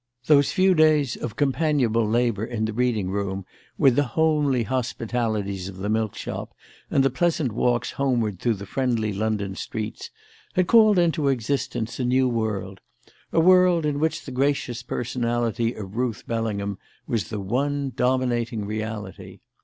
Those few days of companionable labour in the reading room, with the homely hospitalities of the milk shop and the pleasant walks homeward through the friendly London streets, had called into existence a new world a world in which the gracious personality of Ruth Bellingham was the one dominating reality.